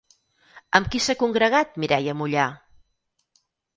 Amb qui s'ha congregat Mireia Mollà?